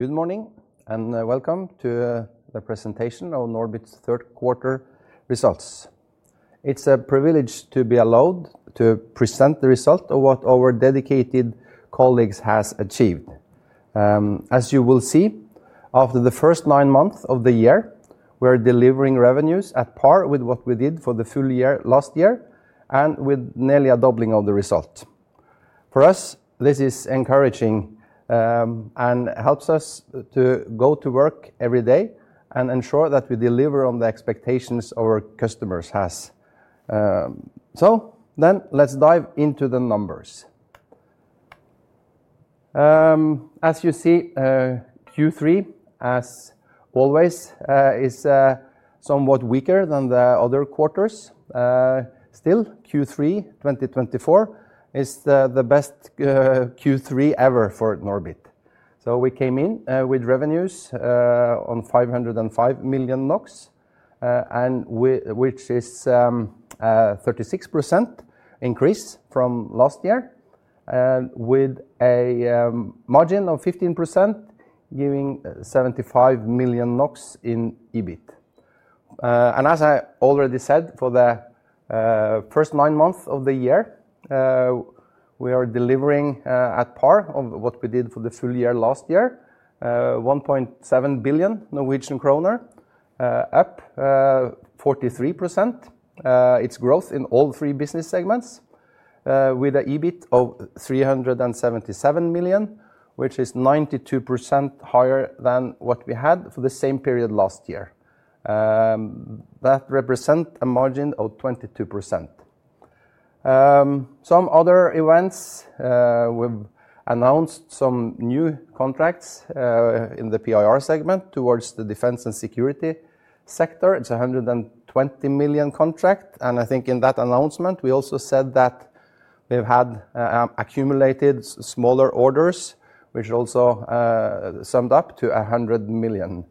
Good morning and welcome to the presentation of NORBIT's Third Quarter Results. It's a privilege to be allowed to present the result of what our dedicated colleagues have achieved. As you will see, after the first nine months of the year, we're delivering revenues at par with what we did for the full year last year and with nearly a doubling of the result. For us, this is encouraging and helps us to go to work every day and ensure that we deliver on the expectations our customers have. Let's dive into the numbers. As you see, Q3, as always, is somewhat weaker than the other quarters. Still, Q3 2024 is the best Q3 ever for NORBIT. We came in with revenues on 505 million NOK, which is a 36% increase from last year, with a margin of 15%, giving 75 million NOK in EBIT. As I already said, for the first nine months of the year, we are delivering at par of what we did for the full year last year, 1.7 billion Norwegian kroner, up 43%. It is growth in all three business segments, with an EBIT of 377 million, which is 92% higher than what we had for the same period last year. That represents a margin of 22%. Some other events, we have announced some new contracts in the PIR segment towards the defense and security sector. It is a 120 million contract. In that announcement, we also said that we have had accumulated smaller orders, which also summed up to 100 million.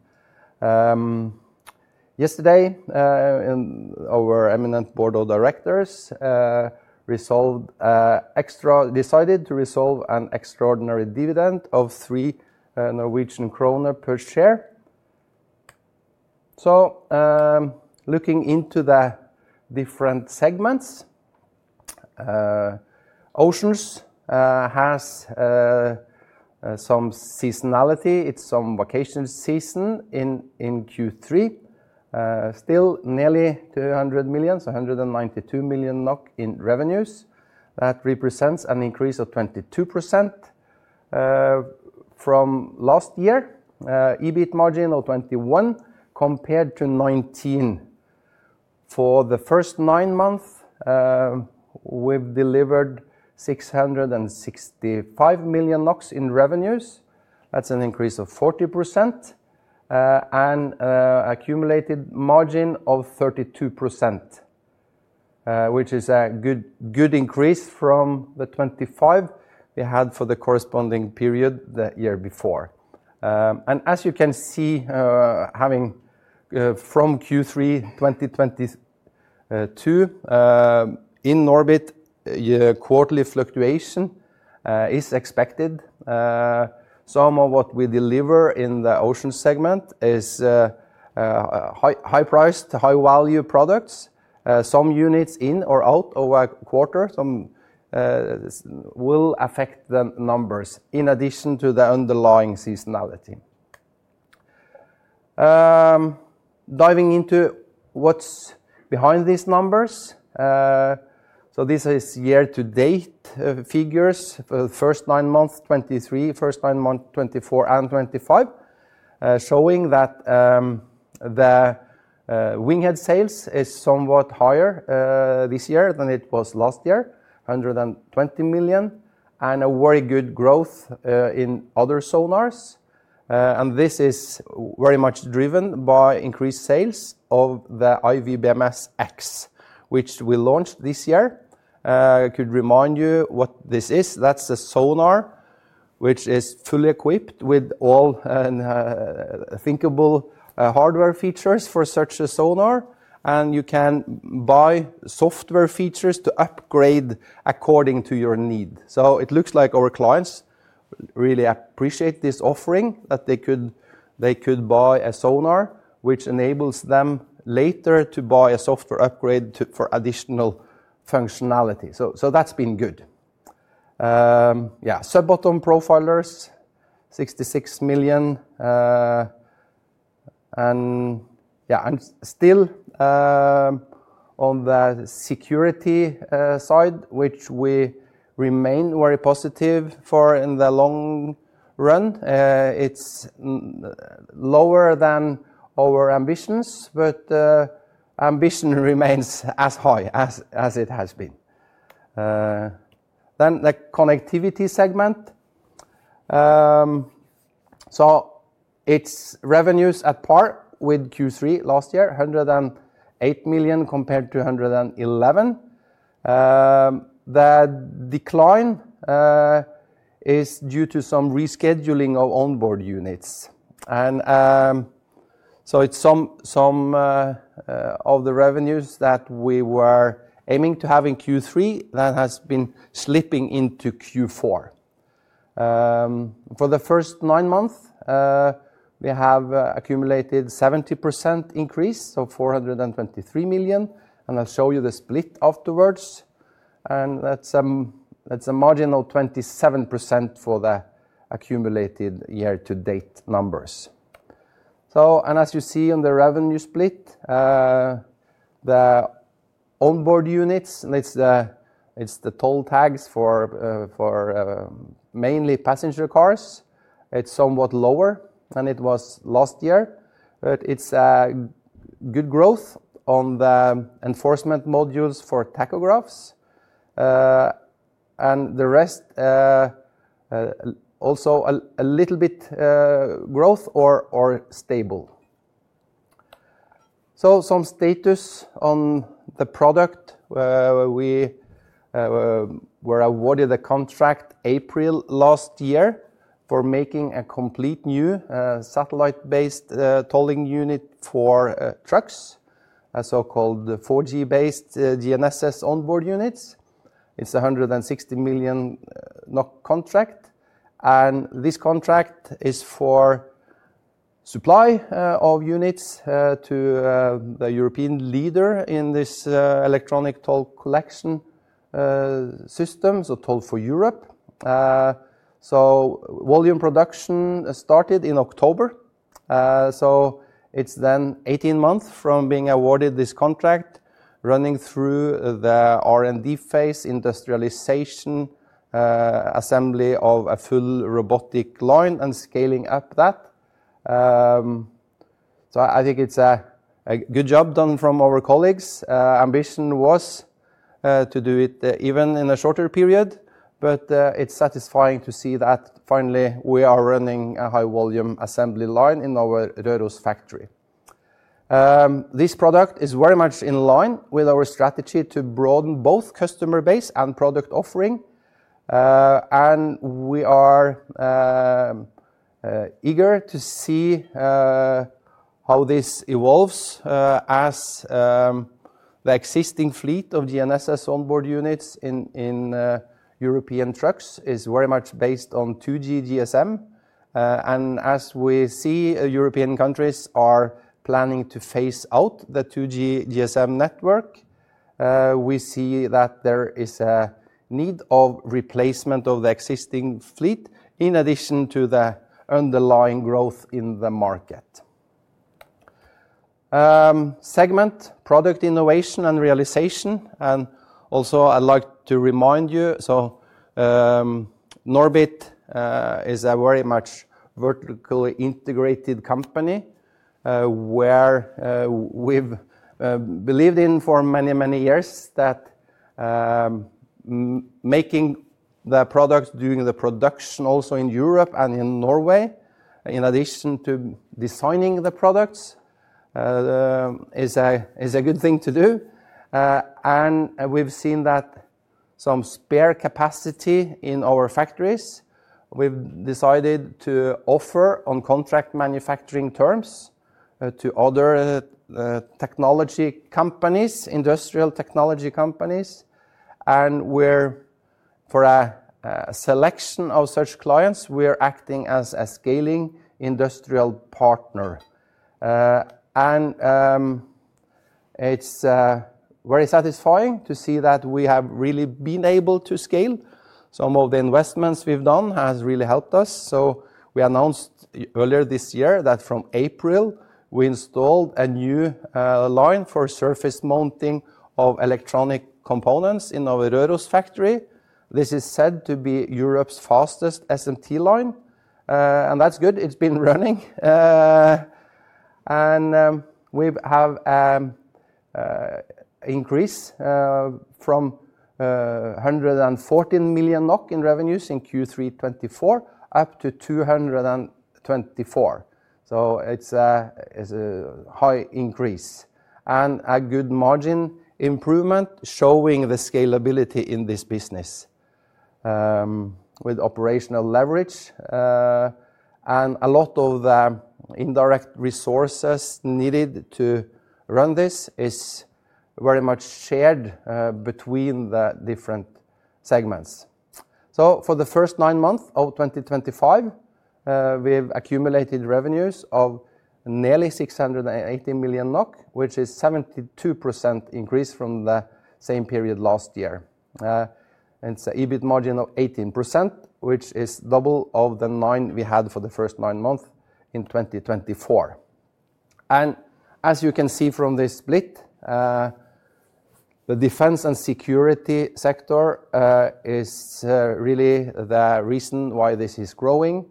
Yesterday, our eminent board of directors decided to resolve an extraordinary dividend of 3 Norwegian kroner per share. Looking into the different segments, Oceans has some seasonality. It is vacation season in Q3. Still, nearly 200 million, so 192 million NOK in revenues. That represents an increase of 22% from last year. EBIT margin of 21% compared to 19%. For the first nine months, we've delivered 665 million NOK in revenues. That's an increase of 40% and an accumulated margin of 32%, which is a good increase from the 25% we had for the corresponding period the year before. As you can see, from Q3 2022, in NORBIT, quarterly fluctuation is expected. Some of what we deliver in the Oceans segment is high-priced, high-value products. Some units in or out of a quarter will affect the numbers, in addition to the underlying seasonality. Diving into what's behind these numbers, this is year-to-date figures for the first nine months, 2023, first nine months, 2024, and 2025, showing that the WINGHEAD sales is somewhat higher this year than it was last year, 120 million, and a very good growth in other sonars. This is very much driven by increased sales of the iWBMS X, which we launched this year. I could remind you what this is. That's a sonar which is fully equipped with all thinkable hardware features for such a sonar. You can buy software features to upgrade according to your need. It looks like our clients really appreciate this offering, that they could buy a sonar which enables them later to buy a software upgrade for additional functionality. That's been good. Sub-bottom profilers, NOK 66 million. Yeah, and still on the security side, which we remain very positive for in the long run, it's lower than our ambitions, but ambition remains as high as it has been. The Connectivity segment, its revenues are at par with Q3 last year, 108 million compared to 111 million. The decline is due to some rescheduling of On-Board Units, and some of the revenues that we were aiming to have in Q3 have been slipping into Q4. For the first nine months, we have accumulated a 70% increase, so 423 million. I'll show you the split afterwards. That's a margin of 27% for the accumulated year-to-date numbers. As you see on the revenue split, the On-Board Units, it's the toll tags for mainly passenger cars, it's somewhat lower than it was last year. It's good growth on the enforcement modules for tachographs. The rest, also a little bit growth or stable. Some status on the product. We were awarded the contract in April last year for making a complete new satellite-based tolling unit for trucks, so-called 4G-based GNSS On-Board Units. It is a 160 million NOK contract. This contract is for supply of units to the European leader in this electronic toll collection system, so Toll4Europe. Volume production started in October. It is then 18 months from being awarded this contract, running through the R&D phase, industrialization, assembly of a full robotic line, and scaling up that. I think it is a good job done from our colleagues. Ambition was to do it even in a shorter period. It is satisfying to see that finally we are running a high-volume assembly line in our Røros factory. This product is very much in line with our strategy to broaden both customer base and product offering. We are eager to see how this evolves as the existing fleet of GNSS On-Board Units in European trucks is very much based on 2G GSM. As we see European countries are planning to phase out the 2G GSM network, we see that there is a need for replacement of the existing fleet in addition to the underlying growth in the market. Segment, product innovation and realization. Also, I'd like to remind you, NORBIT is a very much vertically integrated company where we've believed in for many, many years that making the product, doing the production also in Europe and in Norway, in addition to designing the products, is a good thing to do. We've seen that some spare capacity in our factories. We've decided to offer on contract manufacturing terms to other technology companies, industrial technology companies. For a selection of such clients, we're acting as a scaling industrial partner. It is very satisfying to see that we have really been able to scale. Some of the investments we've done have really helped us. We announced earlier this year that from April, we installed a new line for surface mounting of electronic components in our Røros factory. This is said to be Europe's fastest SMT line. That is good. It has been running. We have an increase from 114 million NOK in revenues in Q3 2024 up to 224 million. It is a high increase and a good margin improvement showing the scalability in this business with operational leverage. A lot of the indirect resources needed to run this is very much shared between the different segments. For the first nine months of 2025, we've accumulated revenues of nearly 680 million NOK, which is a 72% increase from the same period last year. It's an EBIT margin of 18%, which is double of the nine we had for the first nine months in 2024. As you can see from this split, the defense and security sector is really the reason why this is growing.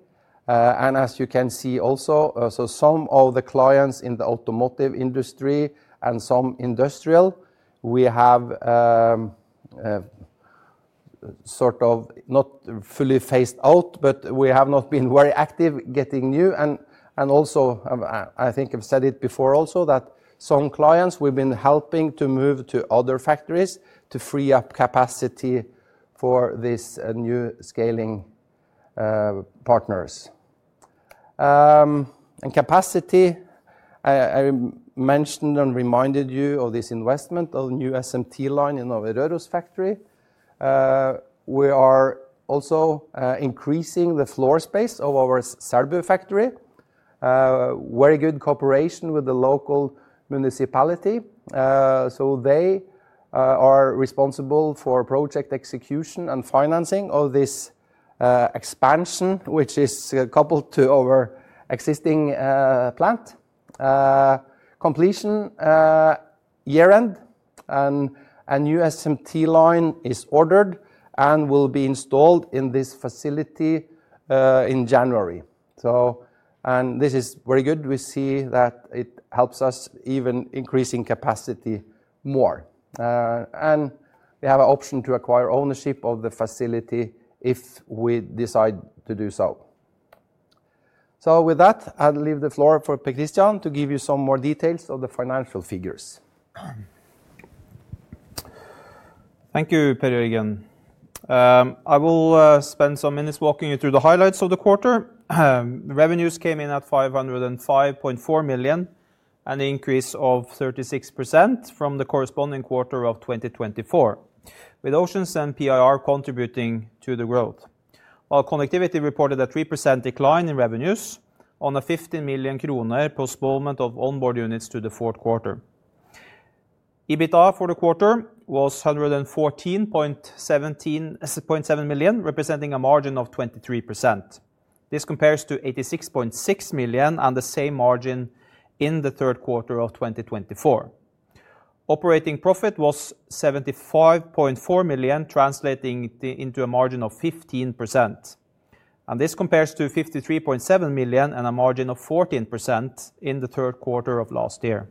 As you can see also, some of the clients in the automotive industry and some industrial, we have sort of not fully phased out, but we have not been very active getting new. I think I've said it before also, that some clients we've been helping to move to other factories to free up capacity for these new scaling partners. Capacity, I mentioned and reminded you of this investment of the new SMT line in our Røros factory. We are also increasing the floor space of our Serbia factory, very good cooperation with the local municipality. They are responsible for project execution and financing of this expansion, which is coupled to our existing plant. Completion, year-end. A new SMT line is ordered and will be installed in this facility in January. This is very good. We see that it helps us even increase capacity more. We have an option to acquire ownership of the facility if we decide to do so. With that, I'll leave the floor for Per Kristian to give you some more details of the financial figures. Thank you, Per Jørgen. I will spend some minutes walking you through the highlights of the quarter. Revenues came in at 505.4 million, an increase of 36% from the corresponding quarter of 2024, with Oceans and PIR contributing to the growth. While Connectivity reported a 3% decline in revenues on a 15 million kroner post-movement of onboard units to the fourth quarter. EBITDA for the quarter was 114.7 million, representing a margin of 23%. This compares to 86.6 million and the same margin in the third quarter of 2024. Operating profit was 75.4 million, translating into a margin of 15%. This compares to 53.7 million and a margin of 14% in the third quarter of last year.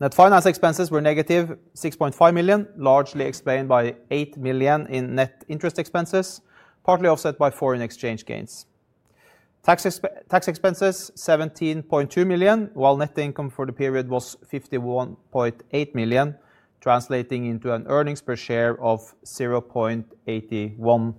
Net finance expenses were negative 6.5 million, largely explained by 8 million in net interest expenses, partly offset by foreign exchange gains. Tax expenses, 17.2 million, while net income for the period was 51.8 million, translating into an earnings per share of 0.81.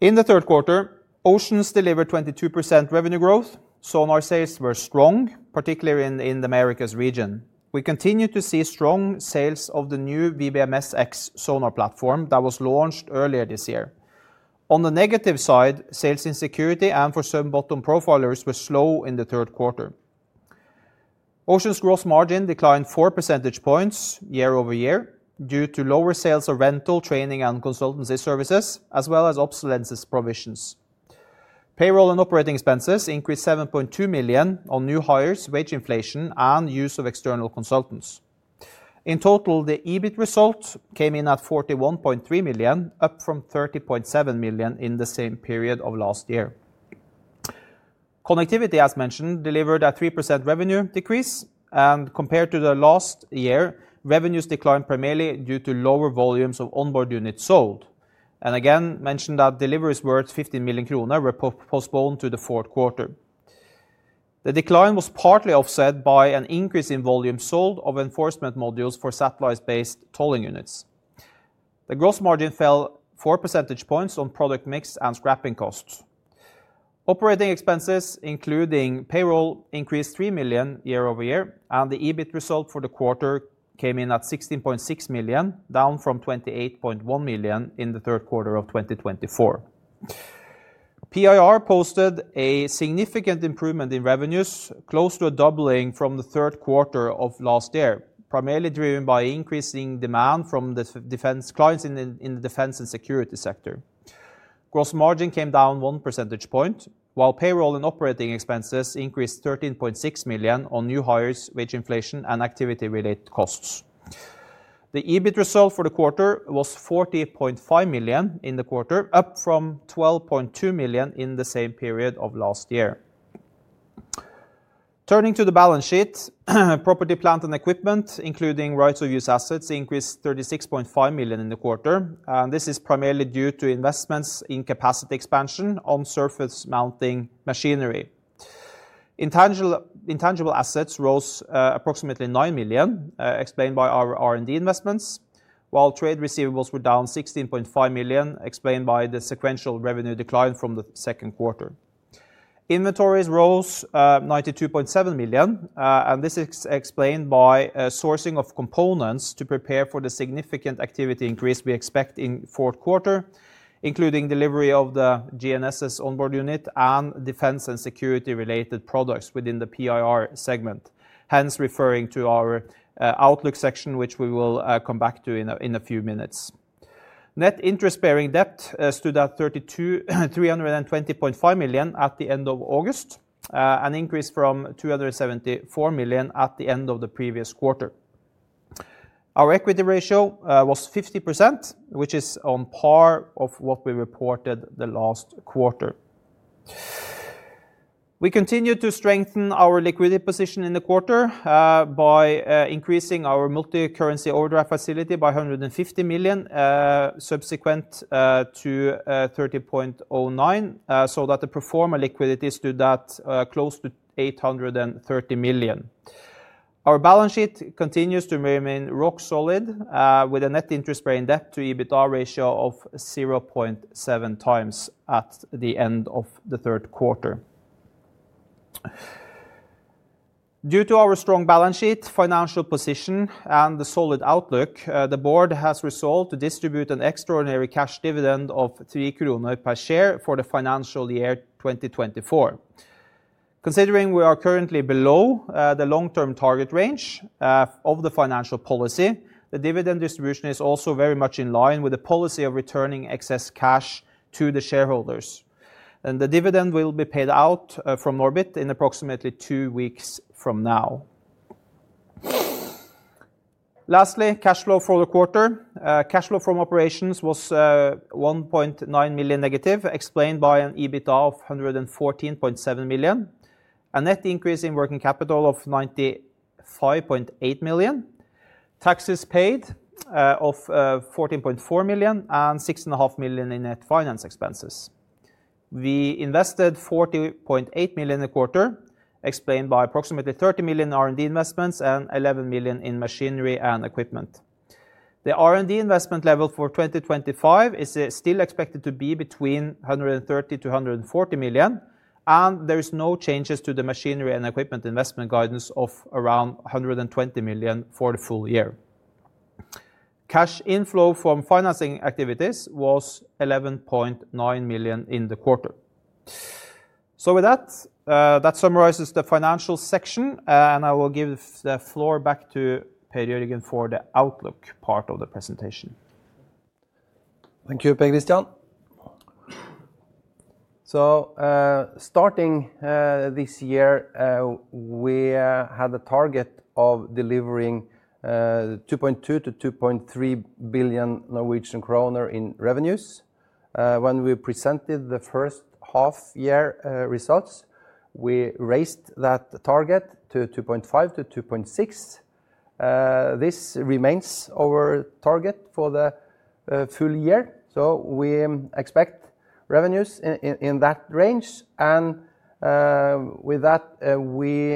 In the third quarter, Oceans delivered 22% revenue growth. Sonar sales were strong, particularly in the Americas region. We continue to see strong sales of the new WBMS X sonar platform that was launched earlier this year. On the negative side, sales in security and for sub-bottom profilers were slow in the third quarter. Oceans' gross margin declined 4 percentage points year-over-year due to lower sales of rental, training, and consultancy services, as well as obsolescence provisions. Payroll and operating expenses increased 7.2 million on new hires, wage inflation, and use of external consultants. In total, the EBIT result came in at 41.3 million, up from 30.7 million in the same period of last year. Connectivity, as mentioned, delivered a 3% revenue decrease. Compared to the last year, revenues declined primarily due to lower volumes of On-Board Units sold. Again, mention that deliveries worth 15 million kroner were postponed to the fourth quarter. The decline was partly offset by an increase in volume sold of enforcement modules for satellite-based tolling units. The gross margin fell 4 percentage points on product mix and scrapping costs. Operating expenses, including payroll, increased 3 million year-over-year. The EBIT result for the quarter came in at 16.6 million, down from 28.1 million in the third quarter of 2024. PIR posted a significant improvement in revenues, close to a doubling from the third quarter of last year, primarily driven by increasing demand from the defense clients in the defense and security sector. Gross margin came down 1 percentage point, while payroll and operating expenses increased 13.6 million on new hires, wage inflation, and activity-related costs. The EBIT result for the quarter was 40.5 million in the quarter, up from 12.2 million in the same period of last year. Turning to the balance sheet. Property, plant, and equipment, including rights of use assets, increased 36.5 million in the quarter. This is primarily due to investments in capacity expansion on surface mounting machinery. Intangible assets rose approximately 9 million, explained by our R&D investments, while trade receivables were down 16.5 million, explained by the sequential revenue decline from the second quarter. Inventories rose 92.7 million. This is explained by sourcing of components to prepare for the significant activity increase we expect in fourth quarter, including delivery of the GNSS On-Board Unit and defense and security-related products within the PIR segment, hence referring to our outlook section, which we will come back to in a few minutes. Net interest-bearing debt stood at 320.5 million at the end of August, an increase from 274 million at the end of the previous quarter. Our equity ratio was 50%, which is on par with what we reported the last quarter. We continued to strengthen our liquidity position in the quarter by increasing our multicurrency order facility by 150 million, subsequent to 30.09, so that the pro forma liquidity stood at close to 830 million. Our balance sheet continues to remain rock solid, with a net interest-bearing debt to EBITDA ratio of 0.7x at the end of the third quarter. Due to our strong balance sheet, financial position, and the solid outlook, the board has resolved to distribute an extraordinary cash dividend of 3 kroner per share for the financial year 2024. Considering we are currently below the long-term target range of the financial policy, the dividend distribution is also very much in line with the policy of returning excess cash to the shareholders. The dividend will be paid out from NORBIT in approximately two weeks from now. Lastly, cash flow for the quarter. Cash flow from operations was 1.9 million negative, explained by an EBITDA of 114.7 million, a net increase in working capital of 95.8 million, taxes paid of 14.4 million, and 6.5 million in net finance expenses. We invested 40.8 million in the quarter, explained by approximately 30 million R&D investments and 11 million in machinery and equipment. The R&D investment level for 2025 is still expected to be between 130 million-140 million, and there are no changes to the machinery and equipment investment guidance of around 120 million for the full year. Cash inflow from financing activities was 11.9 million in the quarter. With that, that summarizes the financial section, and I will give the floor back to Per Jørgen for the outlook part of the presentation. Thank you, Per Kristian. Starting this year, we had a target of delivering 2.2 billion-2.3 billion Norwegian kroner in revenues. When we presented the first half-year results, we raised that target to 2.5 billion-2.6 billion. This remains our target for the full year. We expect revenues in that range. With that, we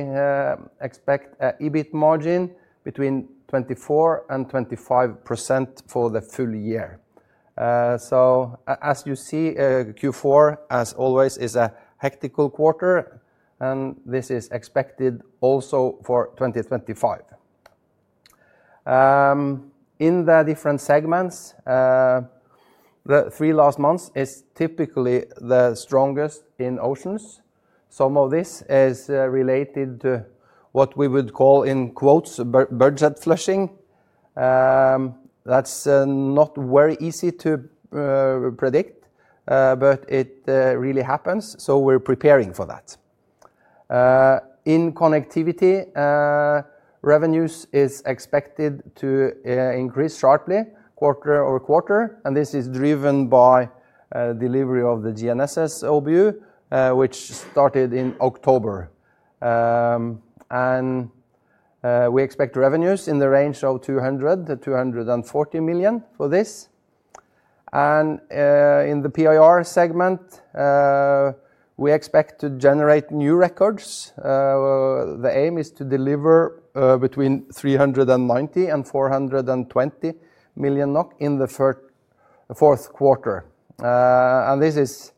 expect an EBIT margin between 24% and 25% for the full year. As you see, Q4, as always, is a hectical quarter, and this is expected also for 2025. In the different segments, the three last months is typically the strongest in Oceans. Some of this is related to what we would call, in quotes, "budget flushing." That's not very easy to predict, but it really happens. So we're preparing for that. In Connectivity, revenues are expected to increase sharply quarter-over-quarter. And this is driven by delivery of the GNSS OBU, which started in October. We expect revenues in the range of 200 million-240 million for this. In the PIR segment, we expect to generate new records. The aim is to deliver between 390 million and 420 million NOK in the fourth quarter. This is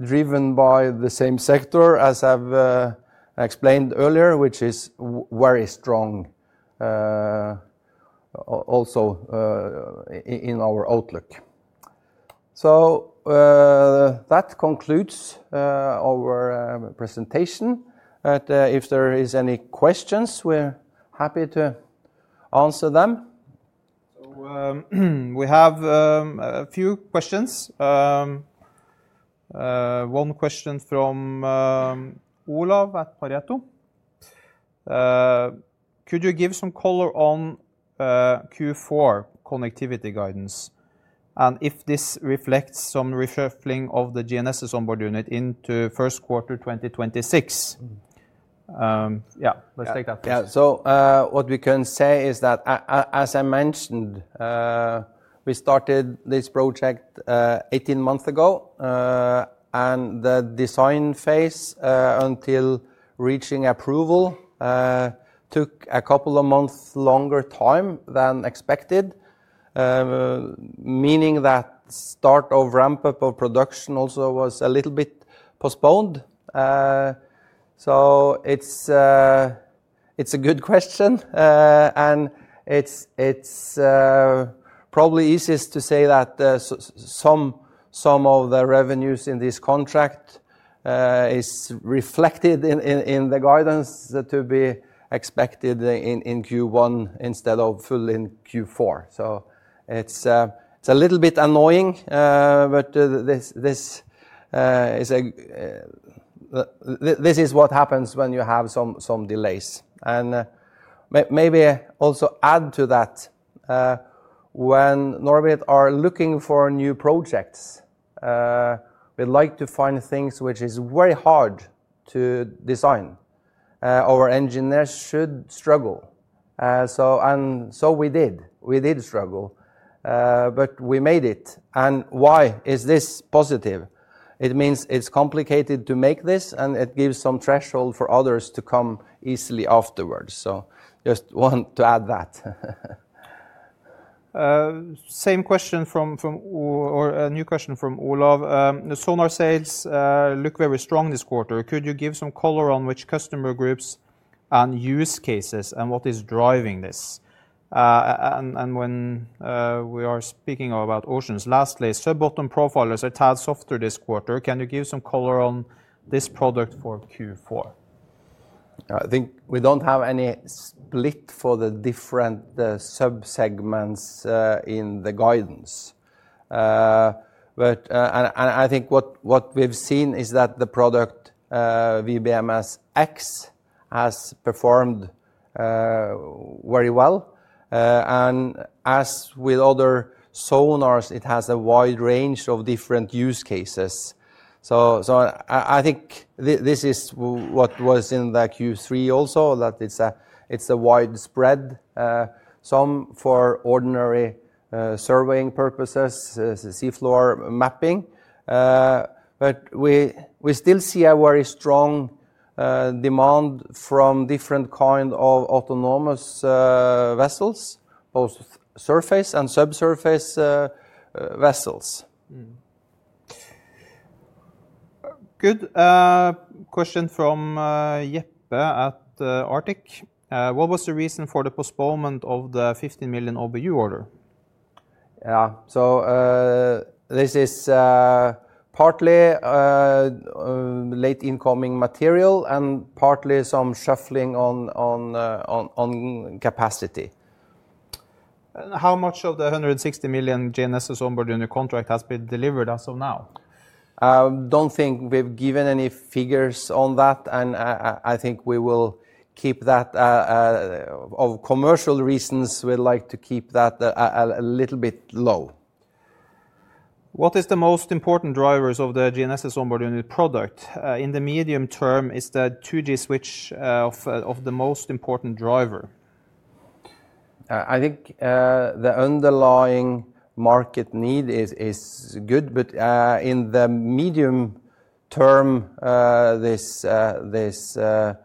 driven by the same sector, as I've explained earlier, which is very strong also in our outlook. That concludes our presentation. If there are any questions, we're happy to answer them. We have a few questions. One question from Olav at Per Jættu. Could you give some color on Q4 Connectivity guidance and if this reflects some reshuffling of the GNSS On-Board Unit into first quarter 2026? Yeah, let's take that question. Yeah, so what we can say is that, as I mentioned, we started this project 18 months ago. And the design phase until reaching approval took a couple of months longer time than expected, meaning that start of ramp-up of production also was a little bit postponed. It's a good question. It's probably easiest to say that some of the revenues in this contract are reflected in the guidance to be expected in Q1 instead of fully in Q4. It's a little bit annoying, but this is what happens when you have some delays. Maybe also add to that, when NORBIT are looking for new projects, we'd like to find things which are very hard to design. Our engineers should struggle. And so we did. We did struggle. But we made it. Why is this positive? It means it's complicated to make this, and it gives some threshold for others to come easily afterwards. Just want to add that. Same question from, or a new question from Olav. The sonar sales look very strong this quarter. Could you give some color on which customer groups and use cases and what is driving this? When we are speaking about Oceans, lastly, sub-bottom profilers are tad softer this quarter. Can you give some color on this product for Q4? I think we do not have any split for the different sub-segments in the guidance. I think what we have seen is that the product WBMS X has performed very well. As with other sonars, it has a wide range of different use cases. I think this is what was in Q3 also, that it's a widespread sum for ordinary surveying purposes, seafloor mapping. We still see a very strong demand from different kinds of autonomous vessels, both surface and sub-surface vessels. Good. Question from Jeppe at Arctic. What was the reason for the postponement of the 15 million OBU order? Yeah, this is partly late incoming material and partly some shuffling on capacity. How much of the 160 million GNSS On-Board Unit contract has been delivered as of now? I don't think we've given any figures on that. I think we will keep that, for commercial reasons, we'd like to keep that a little bit low. What is the most important drivers of the GNSS On-Board Unit product? In the medium term, is the 2G switch the most important driver? I think the underlying market need is good. In the medium term, this phase-out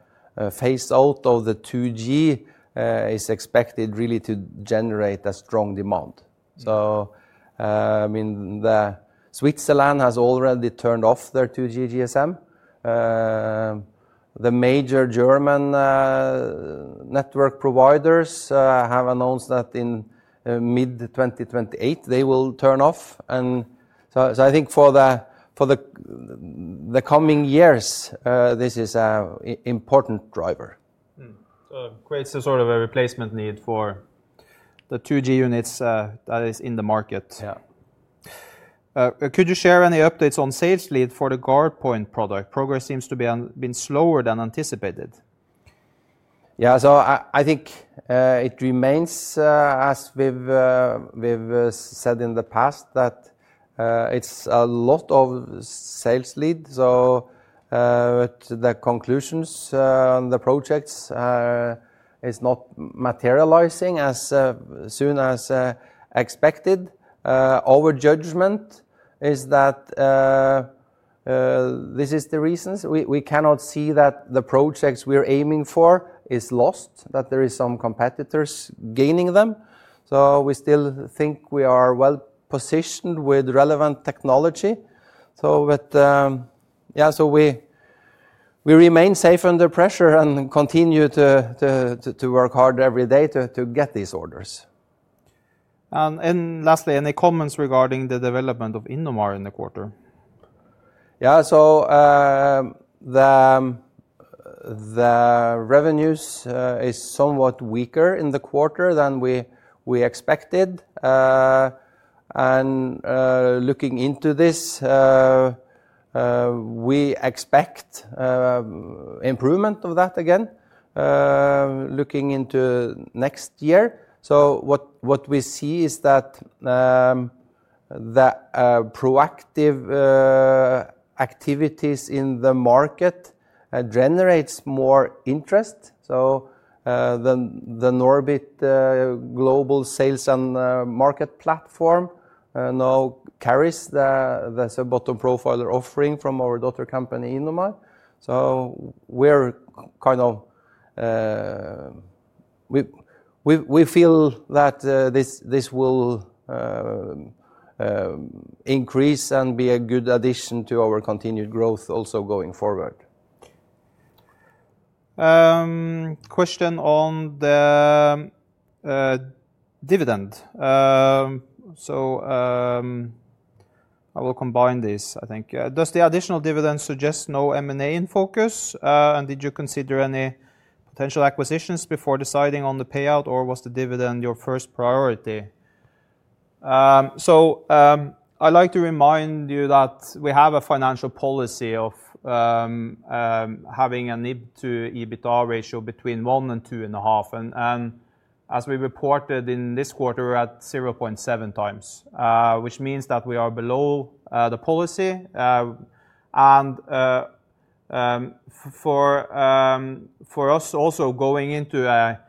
of the 2G is expected really to generate a strong demand. I mean, Switzerland has already turned off their 2G GSM. The major German network providers have announced that in mid-2028, they will turn off. I think for the coming years, this is an important driver. Creates a sort of a replacement need for the 2G units that are in the market. Yeah. Could you share any updates on sales lead for the GuardPoint product? Progress seems to have been slower than anticipated. Yeah, I think it remains, as we've said in the past, that it's a lot of sales lead. The conclusions on the projects are not materializing as soon as expected. Our judgment is that this is the reason. We cannot see that the projects we're aiming for are lost, that there are some competitors gaining them. We still think we are well positioned with relevant technology. Yeah, we remain safe under pressure and continue to work hard every day to get these orders. Lastly, any comments regarding the development of Innomar in the quarter? Yeah, the revenues are somewhat weaker in the quarter than we expected. Looking into this, we expect improvement of that again looking into next year. What we see is that the proactive activities in the market generate more interest. The NORBIT global sales and market platform now carries the sub-bottom profiler offering from our daughter company Innomar. We feel that this will increase and be a good addition to our continued growth also going forward. Question on the dividend. I will combine these, I think. Does the additional dividend suggest no M&A in focus? Did you consider any potential acquisitions before deciding on the payout, or was the dividend your first priority? I'd like to remind you that we have a financial policy of having a NIBD to EBITDA ratio between 1 and 2.5. As we reported in this quarter, we're at 0.7x, which means that we are below the policy. For us also going into a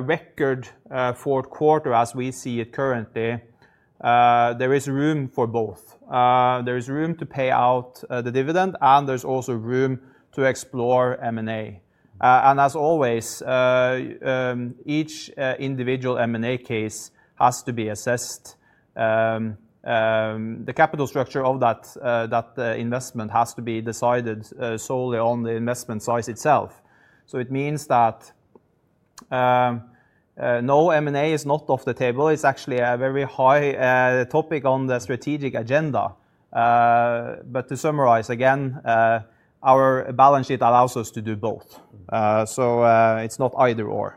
record fourth quarter as we see it currently, there is room for both. There is room to pay out the dividend, and there's also room to explore M&A. As always, each individual M&A case has to be assessed. The capital structure of that investment has to be decided solely on the investment size itself. It means that no M&A is not off the table. It's actually a very high topic on the strategic agenda. To summarize again, our balance sheet allows us to do both. It is not either/or.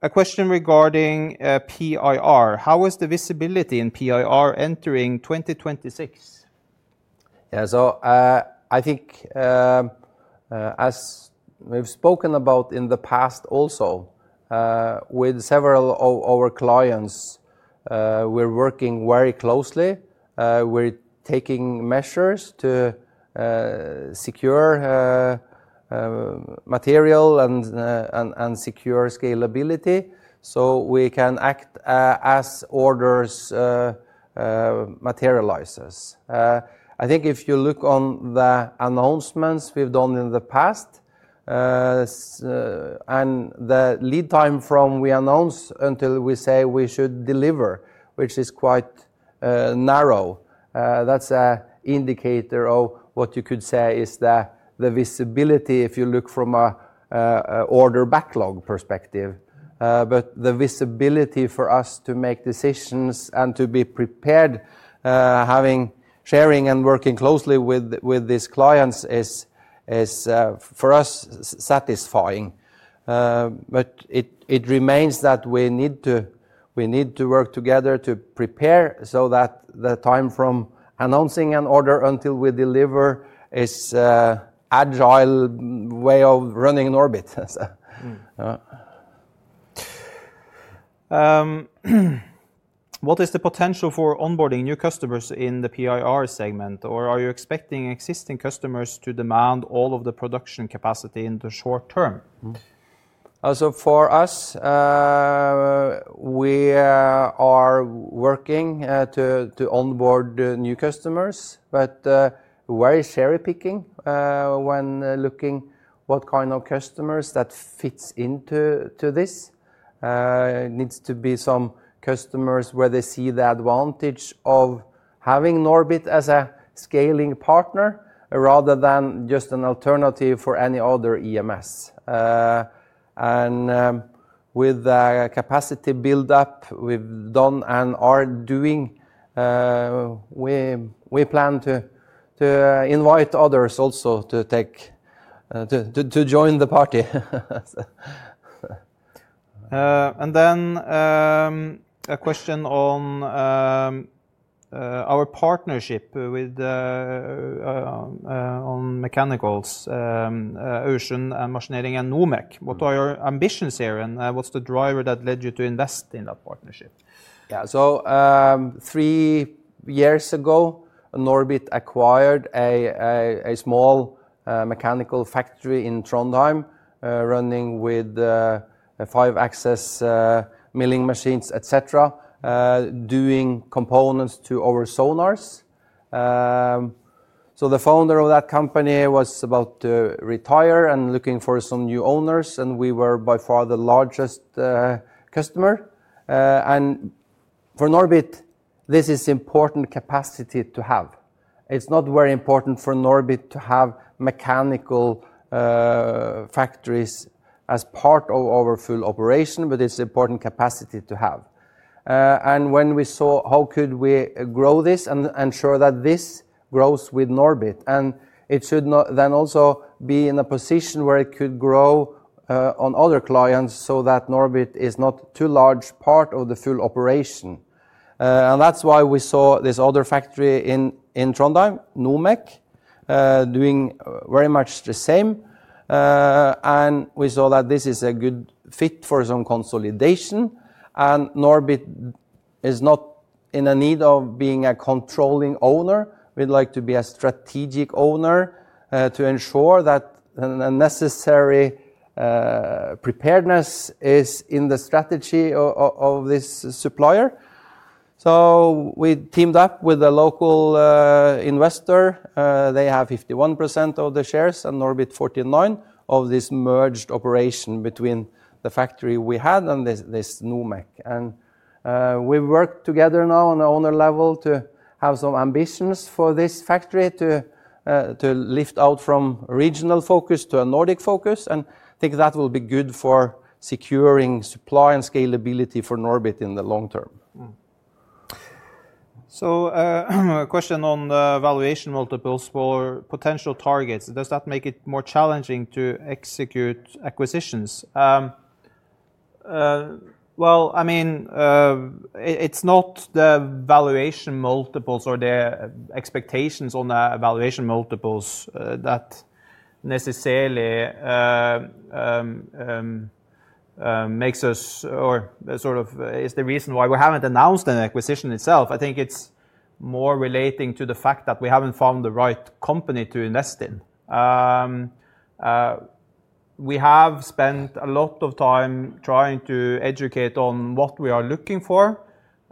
A question regarding PIR. How is the visibility in PIR entering 2026? Yeah, I think as we've spoken about in the past also, with several of our clients, we're working very closely. We're taking measures to secure material and secure scalability so we can act as orders materialize. I think if you look on the announcements we've done in the past and the lead time from we announce until we say we should deliver, which is quite narrow, that's an indicator of what you could say is the visibility if you look from an order backlog perspective. The visibility for us to make decisions and to be prepared, having sharing and working closely with these clients is for us satisfying. It remains that we need to work together to prepare so that the time from announcing an order until we deliver is an agile way of running NORBIT. What is the potential for onboarding new customers in the PIR segment, or are you expecting existing customers to demand all of the production capacity in the short term? For us, we are working to onboard new customers, but very cherry-picking when looking at what kind of customers that fits into this. It needs to be some customers where they see the advantage of having NORBIT as a scaling partner rather than just an alternative for any other EMS. With the capacity build-up we have done and are doing, we plan to invite others also to join the party. A question on our partnership with mechanicals, Aursund Maskinering and NOMEK. What are your ambitions here and what's the driver that led you to invest in that partnership? Yeah, so three years ago, NORBIT acquired a small mechanical factory in Trondheim running with five-axis milling machines, etc., doing components to our sonars. The founder of that company was about to retire and looking for some new owners. We were by far the largest customer. For NORBIT, this is important capacity to have. It's not very important for NORBIT to have mechanical factories as part of our full operation, but it's important capacity to have. When we saw how could we grow this and ensure that this grows with NORBIT. It should then also be in a position where it could grow on other clients so that NORBIT is not too large part of the full operation. That is why we saw this other factory in Trondheim, NOMEK, doing very much the same. We saw that this is a good fit for some consolidation. NORBIT is not in a need of being a controlling owner. We would like to be a strategic owner to ensure that the necessary preparedness is in the strategy of this supplier. We teamed up with a local investor. They have 51% of the shares and NORBIT 49% of this merged operation between the factory we had and this NOMEK. We work together now on the owner level to have some ambitions for this factory to lift out from regional focus to a Nordic focus. I think that will be good for securing supply and scalability for NORBIT in the long term. A question on valuation multiples for potential targets. Does that make it more challenging to execute acquisitions? I mean, it's not the valuation multiples or the expectations on the valuation multiples that necessarily makes us, or sort of is the reason why we haven't announced an acquisition itself. I think it's more relating to the fact that we haven't found the right company to invest in. We have spent a lot of time trying to educate on what we are looking for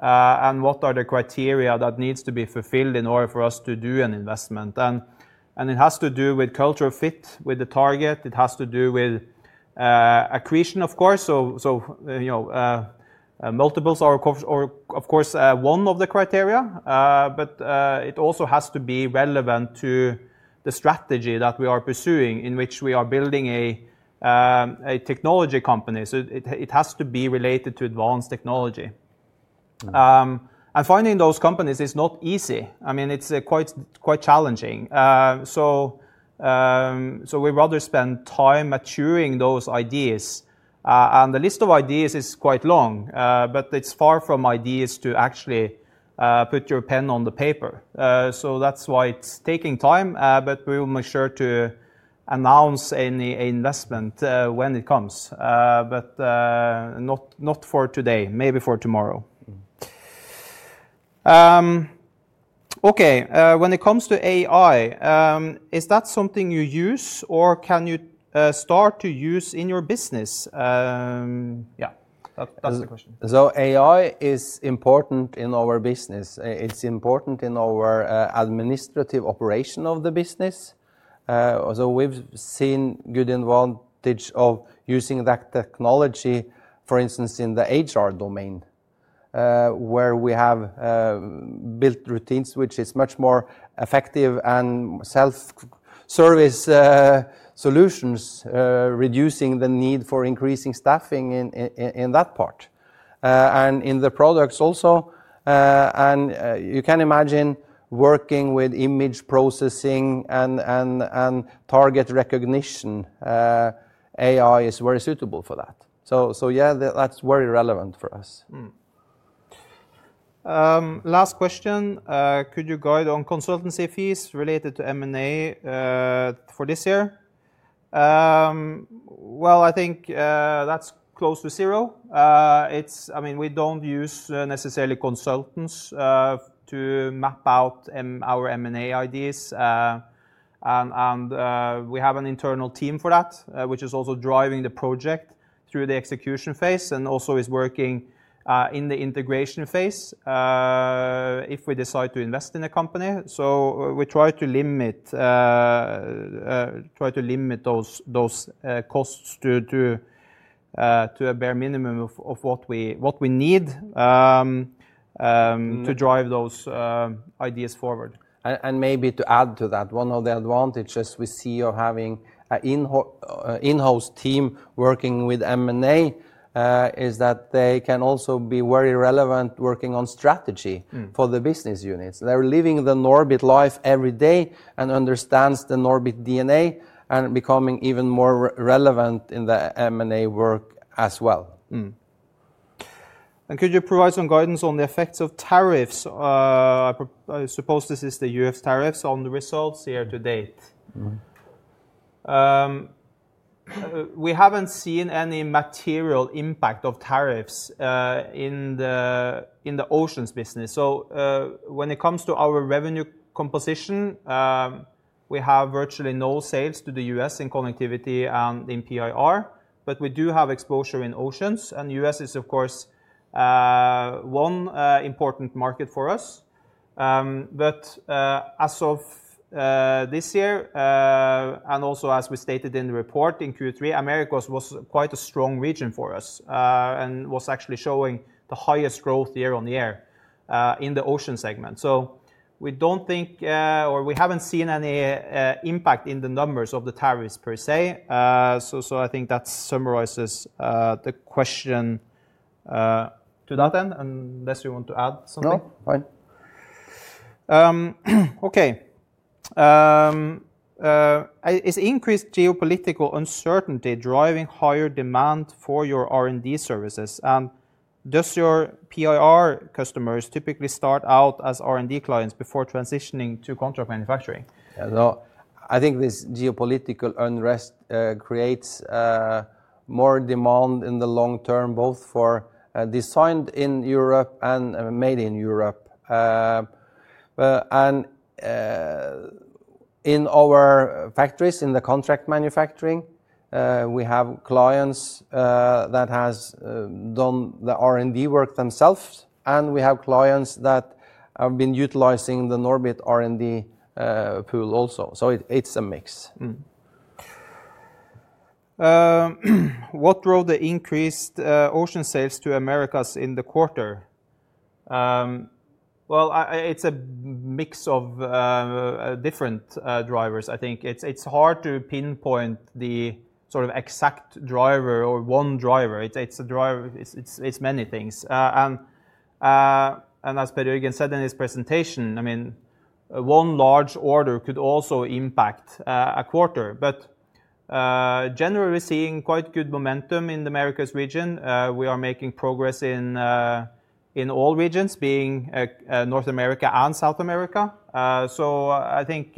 and what are the criteria that need to be fulfilled in order for us to do an investment. It has to do with culture fit with the target. It has to do with accretion, of course. Multiples are, of course, one of the criteria. It also has to be relevant to the strategy that we are pursuing in which we are building a technology company. It has to be related to advanced technology. Finding those companies is not easy. I mean, it's quite challenging. We'd rather spend time maturing those ideas. The list of ideas is quite long, but it's far from ideas to actually put your pen on the paper. That's why it's taking time. We will make sure to announce any investment when it comes. Not for today, maybe for tomorrow. Okay. When it comes to AI, is that something you use or can you start to use in your business? Yeah, that's the question. AI is important in our business. It's important in our administrative operation of the business. We have seen good advantage of using that technology, for instance, in the HR domain where we have built routines, which is much more effective and self-service solutions, reducing the need for increasing staffing in that part. In the products also, you can imagine working with image processing and target recognition. AI is very suitable for that. Yeah, that is very relevant for us. Last question. Could you guide on consultancy fees related to M&A for this year? I think that is close to zero. I mean, we do not use necessarily consultants to map out our M&A ideas. We have an internal team for that, which is also driving the project through the execution phase and also is working in the integration phase if we decide to invest in a company. We try to limit those costs to a bare minimum of what we need to drive those ideas forward. Maybe to add to that, one of the advantages we see of having an in-house team working with M&A is that they can also be very relevant working on strategy for the business units. They are living the NORBIT life every day and understand the NORBIT DNA and becoming even more relevant in the M&A work as well. Could you provide some guidance on the effects of tariffs? I suppose this is the U.S. tariffs on the results year-to-date. We have not seen any material impact of tariffs in the Oceans business. When it comes to our revenue composition, we have virtually no sales to the U.S. in Connectivity and in PIR. We do have exposure in Oceans. The U.S. is, of course, one important market for us. As of this year, and also as we stated in the report in Q3, Americas was quite a strong region for us and was actually showing the highest growth year on year in the Oceans segment. We do not think, or we have not seen any impact in the numbers of the tariffs per se. I think that summarizes the question to that end unless you want to add something. Okay. Is increased geopolitical uncertainty driving higher demand for your R&D services? And does your PIR customers typically start out as R&D clients before transitioning to contract manufacturing? I think this geopolitical unrest creates more demand in the long term, both for designed in Europe and made in Europe. In our factories in the contract manufacturing, we have clients that have done the R&D work themselves. We have clients that have been utilizing the NORBIT R&D pool also. It is a mix. What drove the increased Oceans sales to the Americas in the quarter? It is a mix of different drivers. I think it is hard to pinpoint the sort of exact driver or one driver. It is many things. As Per Jørgen said in his presentation, I mean, one large order could also impact a quarter. Generally, we are seeing quite good momentum in the Americas region. We are making progress in all regions, being North America and South America. I think,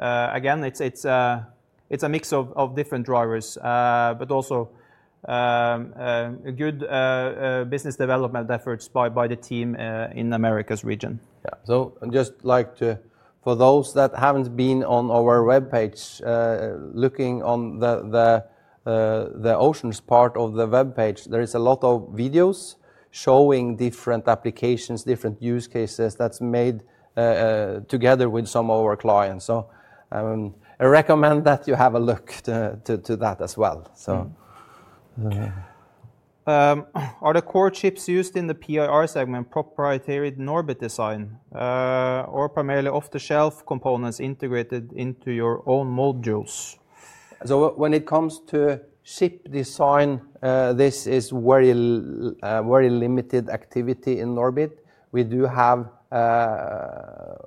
again, it is a mix of different drivers, but also good business development efforts by the team in the Americas region. Yeah. I'd just like to, for those that haven't been on our webpage, looking on the Oceans part of the webpage, there are a lot of videos showing different applications, different use cases that's made together with some of our clients. I recommend that you have a look to that as well. Are the core chips used in the PIR segment proprietary to NORBIT design or primarily off-the-shelf components integrated into your own modules? When it comes to chip design, this is very limited activity in NORBIT. We do have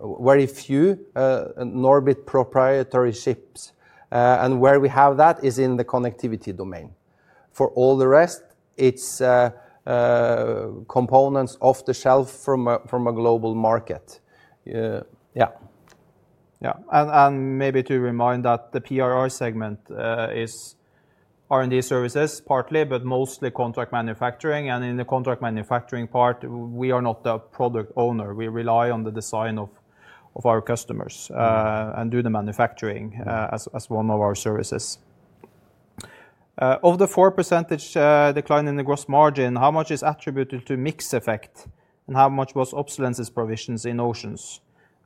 very few NORBIT proprietary chips. Where we have that is in the Connectivity domain. For all the rest, it's components off-the-shelf from a global market. Yeah. Maybe to remind that the PIR segment is R&D services partly, but mostly contract manufacturing. In the contract manufacturing part, we are not the product owner. We rely on the design of our customers and do the manufacturing as one of our services. Of the 4% decline in the gross margin, how much is attributed to mix effect and how much was obsolescence provisions in Oceans?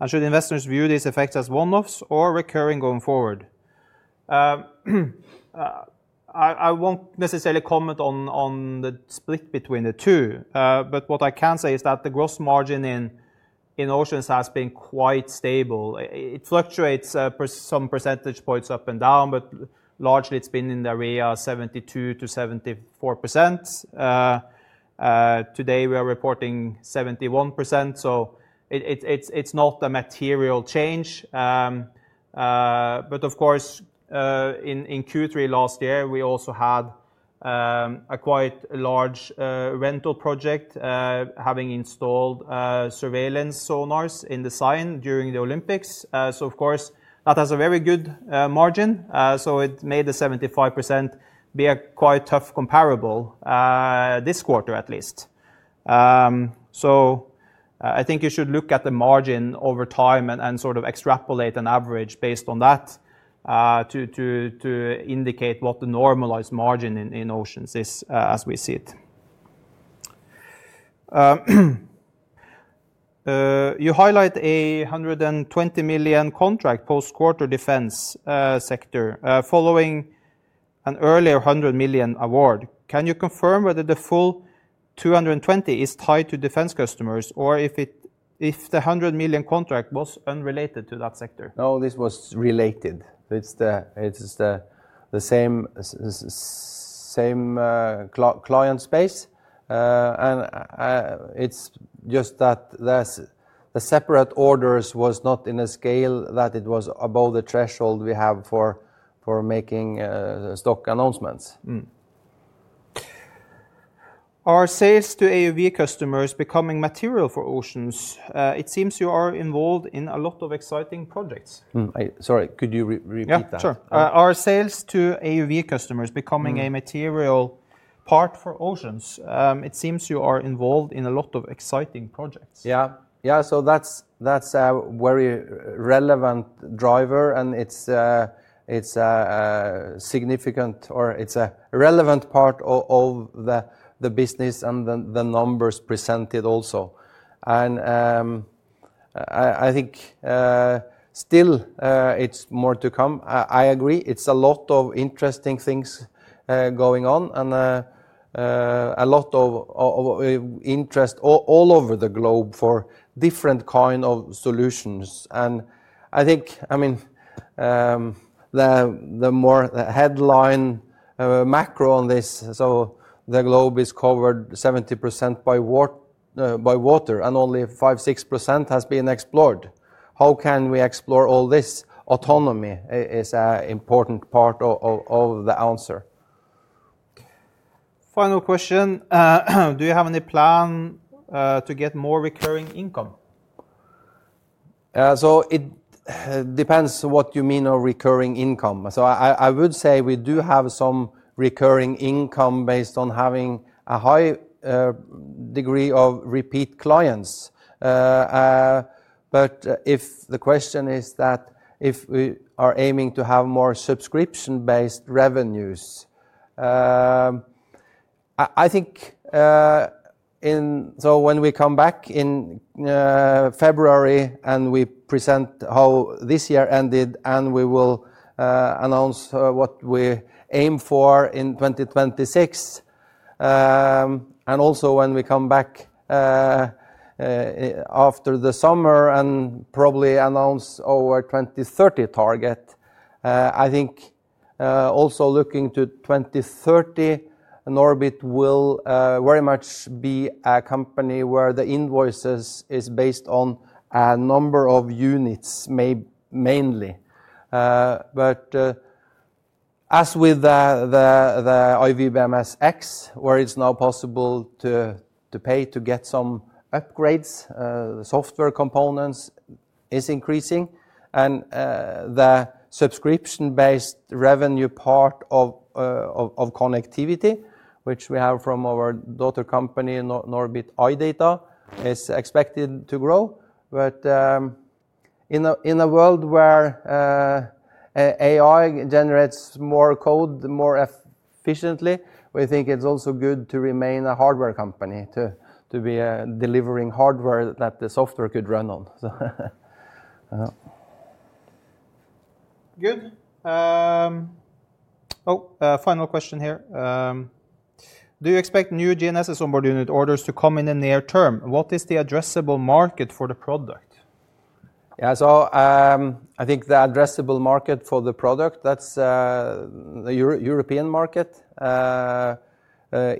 Should investors view these effects as one-offs or recurring going forward? I won't necessarily comment on the split between the two. What I can say is that the gross margin in Oceans has been quite stable. It fluctuates some percentage points up and down, but largely it's been in the area 72%-74%. Today, we are reporting 71%. It is not a material change. In Q3 last year, we also had a quite large rental project having installed surveillance sonars in the Seine during the Olympics. That has a very good margin. It made the 75% be a quite tough comparable this quarter, at least. I think you should look at the margin over time and sort of extrapolate an average based on that to indicate what the normalized margin in Oceans is as we see it. You highlight a 120 million contract post-quarter defense sector following an earlier 100 million award. Can you confirm whether the full 220 million is tied to defense customers or if the 100 million contract was unrelated to that sector? No, this was related. It is the same client space. It is just that the separate orders were not in a scale that it was above the threshold we have for making stock announcements. Are sales to AUV customers becoming material for Oceans? It seems you are involved in a lot of exciting projects. Sorry, could you repeat that? Yeah, sure. Are sales to AUV customers becoming a material part for Oceans? It seems you are involved in a lot of exciting projects. Yeah. Yeah. That is a very relevant driver. And it is a significant or it is a relevant part of the business and the numbers presented also. I think still it is more to come. I agree. It is a lot of interesting things going on and a lot of interest all over the globe for different kinds of solutions. I think, I mean, the headline macro on this, the globe is covered 70% by water and only 5%, 6% has been explored. How can we explore all this? Autonomy is an important part of the answer. Final question. Do you have any plan to get more recurring income? It depends what you mean of recurring income. I would say we do have some recurring income based on having a high degree of repeat clients. If the question is that if we are aiming to have more subscription-based revenues, I think so when we come back in February and we present how this year ended and we will announce what we aim for in 2026. Also, when we come back after the summer and probably announce our 2030 target, I think also looking to 2030, NORBIT will very much be a company where the invoices are based on a number of units mainly. As with the iWBMS X, where it is now possible to pay to get some upgrades, software components are increasing. The subscription-based revenue part of Connectivity, which we have from our daughter company Norbit iData, is expected to grow. In a world where AI generates more code more efficiently, we think it's also good to remain a hardware company to be delivering hardware that the software could run on. Good. Oh, final question here. Do you expect new GNSS On-Board Unit orders to come in the near term? What is the addressable market for the product? Yeah. I think the addressable market for the product, that's the European market.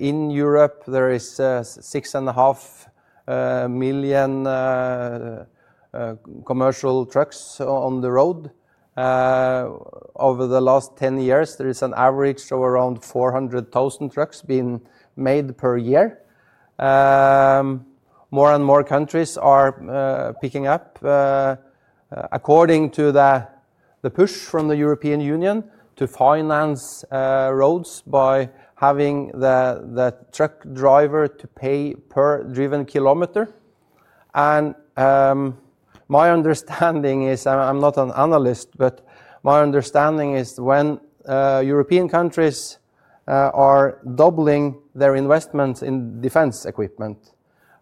In Europe, there are 6.5 million commercial trucks on the road. Over the last 10 years, there is an average of around 400,000 trucks being made per year. More and more countries are picking up according to the push from the European Union to finance roads by having the truck driver to pay per driven kilometer. My understanding is, I'm not an analyst, but my understanding is when European countries are doubling their investments in defense equipment,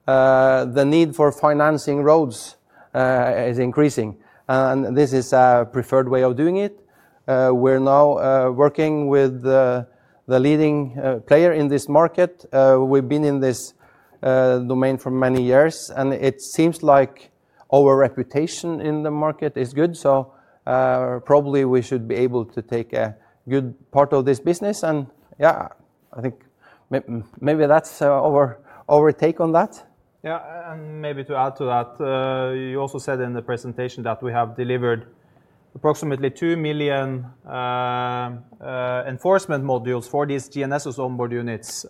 the need for financing roads is increasing. This is a preferred way of doing it. We are now working with the leading player in this market. We have been in this domain for many years. It seems like our reputation in the market is good. Probably we should be able to take a good part of this business. I think maybe that is our take on that. Maybe to add to that, you also said in the presentation that we have delivered approximately 2 million enforcement modules for these GNSS On-Board Units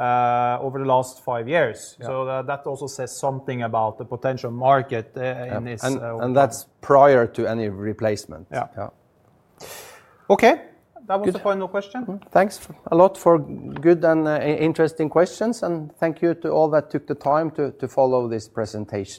over the last five years. That also says something about the potential market in this. That is prior to any replacement. Okay. That was the final question. Thanks a lot for good and interesting questions. Thank you to all that took the time to follow this presentation.